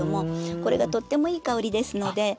これがとってもいい香りですので。